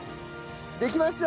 できました！